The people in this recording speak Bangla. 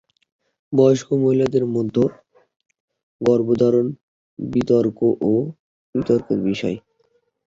বয়স্ক মহিলাদের মধ্যে গর্ভধারণ বিতর্ক ও বিতর্কের বিষয়।